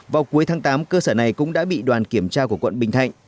vào cuối tháng tám cơ sở này cũng đã bị đoàn kiểm tra của quận bình thạnh